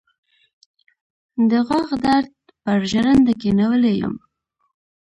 د غاښ درد پر ژرنده کېنولی يم.